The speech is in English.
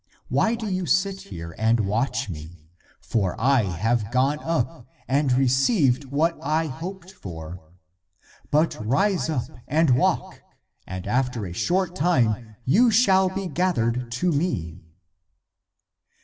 ^ Why do you sit here and watch me? For I have gone up, and received what I hoped for. But rise up and walk, and after a short time you shall be gathered to me."